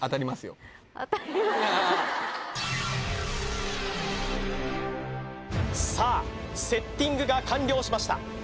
はいさあセッティングが完了しました